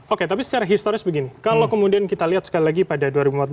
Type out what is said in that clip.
oke tapi secara historis begini kalau kemudian kita lihat sekali lagi pada dua ribu empat belas